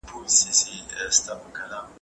بدو خبرو ته ځواب ورکړئ، خو په ادب او مسلکیتوب.